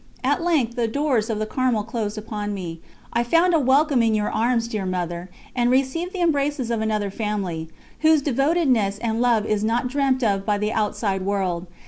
At length the doors of the Carmel closed upon me. ... I found a welcome in your arms, dear Mother, and received the embraces of another family, whose devotedness and love is not dreamt of by the outside world.